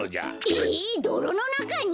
えどろのなかに！？